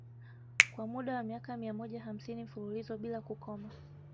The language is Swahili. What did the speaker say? Kwa muda wa miaka mia moja hamsini mfululizo bila kukoma